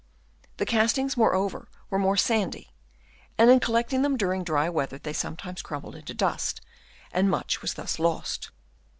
The castings moreover were more sandy, and in collecting them during dry weather they sometimes crumbled into dust, and much was thus lost.